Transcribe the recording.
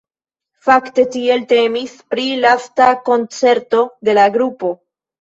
Fakte tiel temis pri lasta koncerto de la grupo.